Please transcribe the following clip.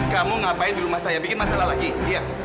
kamu ngapain di rumah saya bikin masalah lagi